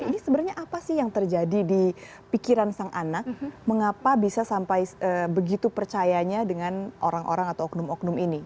ini sebenarnya apa sih yang terjadi di pikiran sang anak mengapa bisa sampai begitu percayanya dengan orang orang atau oknum oknum ini